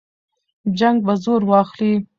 جنګ به زور واخلي.